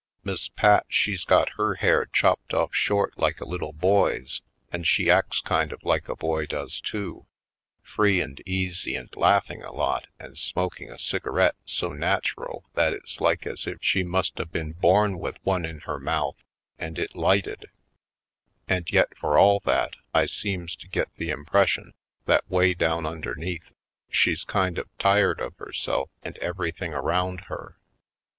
Miss Pat she's got her hair chopped off short like a little boy's and she acts kind of like a boy does, too — free and easy and laughing a lot and smoking a cig arette so natural that it's like as if she must a been born with one in her mouth and it Manhattan Isle 57 lighted. And yet for all that, I seems to get the impression that way down under neath she's kind of tired of herself and everything around her.